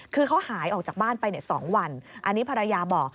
คือเขาหายออกจากบ้านไป๒วันอันนี้ภรรยาบอก